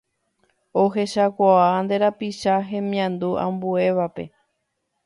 Ehechakuaa nde rapicha hemiandu ambuévape.